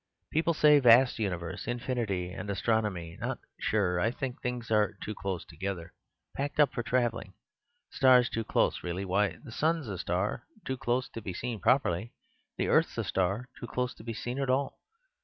"People say vast universe... infinity and astronomy; not sure... I think things are too close together... packed up; for travelling... stars too close, really... why, the sun's a star, too close to be seen properly; the earth's a star, too close to be seen at all...